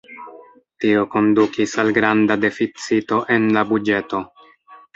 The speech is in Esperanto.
Tio kondukis al granda deficito en la buĝeto.